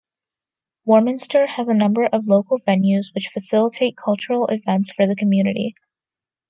Warminster has a number of local venues which facilitate cultural events for the community.